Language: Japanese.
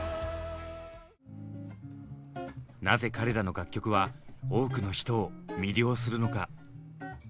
なぜ彼らの楽曲は多くの人を魅了するのか。